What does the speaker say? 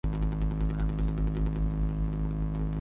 روژه د زړونو تسکین دی.